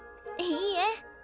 いいえ。